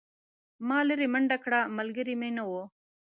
ما لیرې منډه کړه ملګری مې نه و.